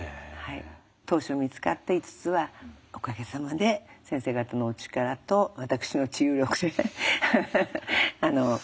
当初見つかった５つはおかげさまで先生方のお力と私の治癒力でなくなってくれました。